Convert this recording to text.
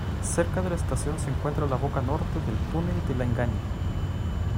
Cerca de la estación se encuentra la boca norte del Túnel de la Engaña.